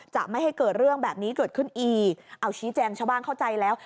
จะไม่ให้เกิดเรื่องแบบนี้เกิดขึ้นอีกเอาชี้แจงชาวบ้านเข้าใจแล้ว